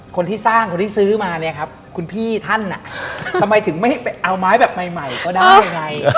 คนที่สร้างคนที่ซื้อมาเนี่ยครับคุณพี่ท่านทำไมถึงไม่เอาไม้แบบใหม่ก็ได้ไง